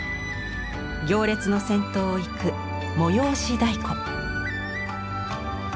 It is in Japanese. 行列の先頭を行く催太鼓。